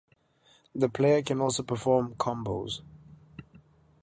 The player can also perform "combos".